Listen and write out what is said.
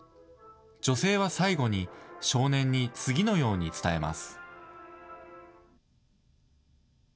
女性は最後に、少年に次のように伝えます。